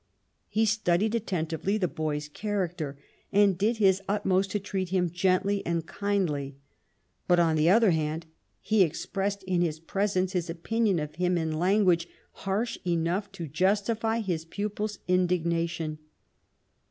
He studied attentively the boy's character, and did his utmost to treat him gently and kindly; but^ on the other hand^ he expressed in his presence his opinion of him in language harsh enough to justify his pupil's indignation.